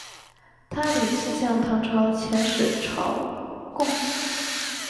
他屡次向唐朝遣使朝贡。